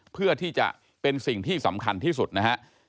เพื่อที่จะเป็นสิ่งที่สำคัญที่สุดนะฮะ